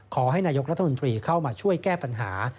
ขอให้นายกรัฐมนตรีเข้ามาช่วยแก้ปัญหา